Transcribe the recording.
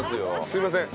すいません。